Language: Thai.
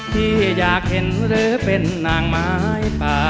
ที่อยากเห็นหรือเป็นนางไม้ป่า